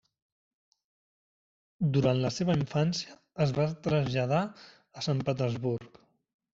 Durant la seva infància, es va traslladar a Sant Petersburg.